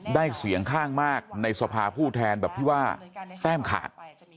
เสียงข้างมากในสภาผู้แทนแบบที่ว่าแต้มขาด